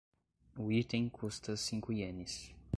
O item custa cinco ienes.